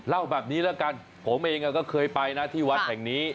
เล่าแบบนี้แล้วกันผมเองก็เคยไปนะที่วัดแห่งนี้